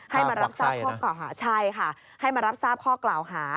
ฆ่าควักไสนะใช่ค่ะให้มารับทราบข้อกล่าวหา